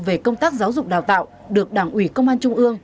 về công tác giáo dục đào tạo được đảng ủy công an trung ương